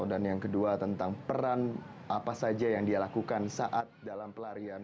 yang kedua tentang peran apa saja yang dia lakukan saat dalam pelarian